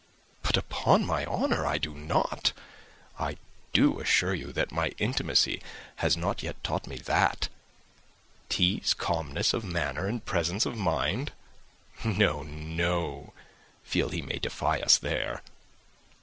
"But upon my honour I do not. I do assure you that my intimacy has not yet taught me that. Tease calmness of temper and presence of mind! No, no; I feel he may defy us there.